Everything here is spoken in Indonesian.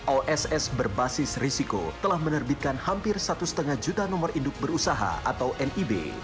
oss berbasis risiko telah menerbitkan hampir satu lima juta nomor induk berusaha atau nib